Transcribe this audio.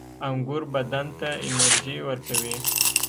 • انګور بدن ته انرژي ورکوي.